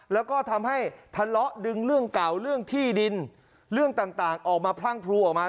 แล้วก็ทำให้ทะเลาะดึงเรื่องเก่าเรื่องที่ดินเรื่องต่างออกมาพรั่งพลูออกมา